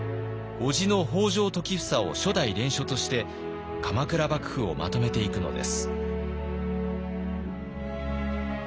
叔父の北条時房を初代連署として鎌倉幕府をまとめていくのです。